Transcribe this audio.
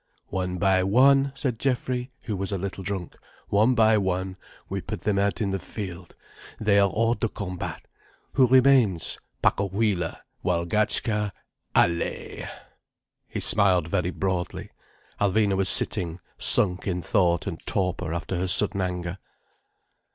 "One by one," said Geoffrey, who was a little drunk: "One by one we put them out of the field, they are hors de combat. Who remains? Pacohuila, Walgatchka, Allaye—" He smiled very broadly. Alvina was sitting sunk in thought and torpor after her sudden anger.